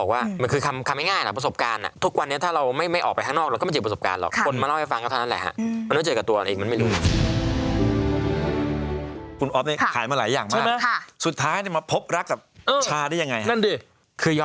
ขายมาหมดขายเสื้อผ้าขายอะไรพวกนี้เยอะเลย